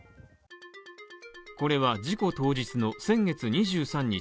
これは事故当日の先月２３日。